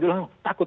dia bilang takut